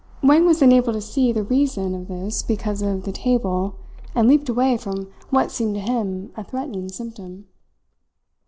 Wang was unable to see the reason of this because of the table, and leaped away from what seemed to him a threatening symptom.